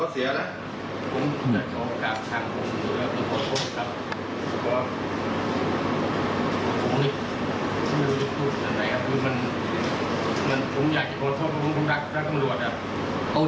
เป็นจริงครับไม่ได้เป็นครับ